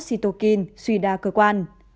cytokine suy đa cơ quan